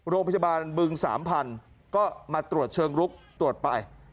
โรงพยาบาลบึง๓๐๐ก็มาตรวจเชิงลุกตรวจไป